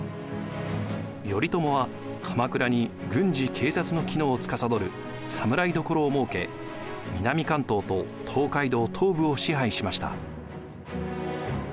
頼朝は鎌倉に軍事・警察の機能をつかさどる侍所を設け南関東と東海道東部を支配しました。